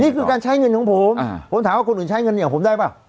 นี่คือการใช้เงินของผมผมถามว่าคนหนูใช้เงินของผมได้ปะ